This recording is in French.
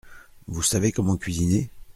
Vous savez comment cuisiner ?